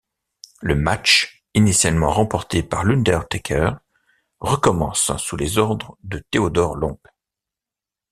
Le match, initialement remporté par l'Undertaker, recommence sous les ordres de Theodore Long.